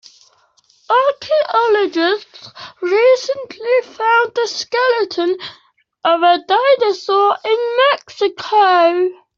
Archaeologists recently found the skeleton of a dinosaur in Mexico.